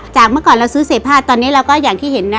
เมื่อก่อนเราซื้อเศษผ้าตอนนี้เราก็อย่างที่เห็นนะ